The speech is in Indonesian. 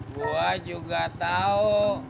gua juga tau